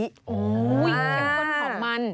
โหยยยยยยยยยยเป็นขนของมัน